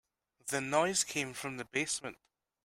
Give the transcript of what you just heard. The noise came from the basement.